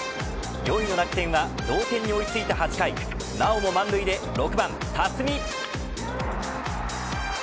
４位の楽天は同点に追い付いた８回なおも満塁で６番、辰己。